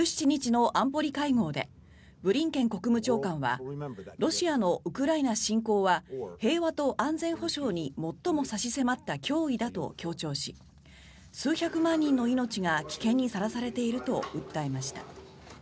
１７日の安保理会合でブリンケン国務長官はロシアのウクライナ侵攻は平和と安全保障に最も差し迫った脅威だと強調し数百万人の命が危険にさらされていると訴えました。